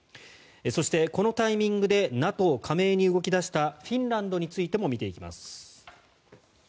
そしてこのタイミングでＮＡＴＯ加盟に動き出したフィンランドについても見ていきます。